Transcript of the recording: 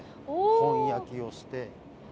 本焼きをして。